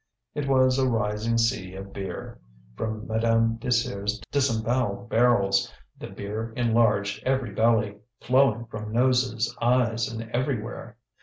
It was a rising sea of beer, from Madame Désir's disembowelled barrels, the beer enlarged every belly, flowing from noses, eyes, and everywhere.